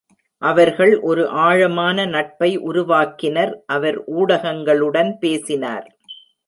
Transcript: அவர்கள் ஒரு ஆழமான நட்பை உருவாக்கினர், அவர் ஊடகங்களுடன் பேசினார்.